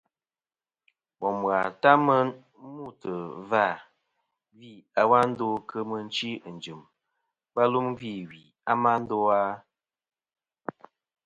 Bòm ghà ta mɨ n-mûtɨ̀ vâ, gvi a wa ndo kɨ̀ mɨchi ɨ̀n jɨ̀m, wa lum gvî wì a ma ndo a?